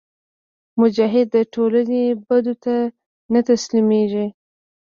مجاهد د ټولنې بدو ته نه تسلیمیږي.